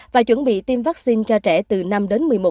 và chuẩn bị tiêm vaccine cho trẻ từ năm hai nghìn hai mươi